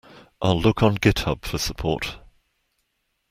I'll look on Github for support.